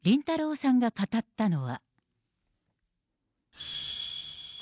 さんが語ったのは。